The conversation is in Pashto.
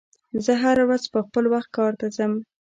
زه هره ورځ په خپل وخت کار ته ځم.